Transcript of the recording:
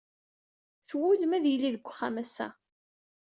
Twulem ad yili deg uxxam assa.